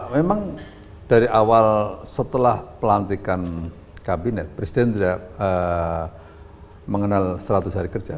memang dari awal setelah pelantikan kabinet presiden tidak mengenal seratus hari kerja